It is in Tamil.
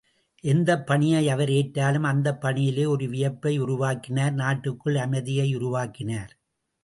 எந்தப் பணியை அவர் ஏற்றாலும் அந்தப் பணியிலே ஒரு வியப்பை உருவாக்கினார் நாட்டிற்குள் அமைதியை உருவாக்கினார்.